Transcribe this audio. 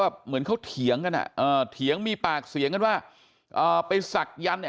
แบบเหมือนเขาเถียงกันอ่ะเถียงมีปากเสียงกันว่าไปสักยัน